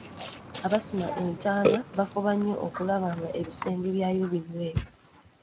Abasima entaana bafuba nnyo okulaba nga ebisenge byayo binywevu.